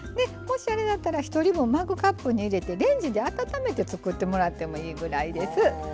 もしあれだったら１人分をマグカップに入れてレンジで温めて作ってもらってもいいぐらいです。